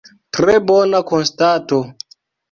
Tre bona konstato.